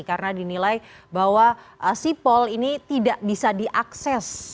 karena dinilai bahwa sipol ini tidak bisa diakses